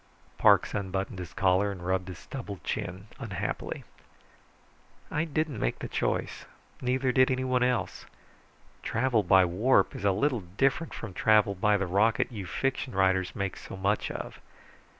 Parks unbuttoned his collar and rubbed his stubbled chin unhappily. "I didn't make the choice. Neither did anyone else. Travel by warp is a little different from travel by the rocket you fiction writers make so much of.